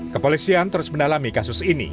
kepolisian terus mendalami kasus ini